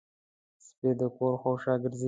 سپي د کور شاوخوا ګرځي.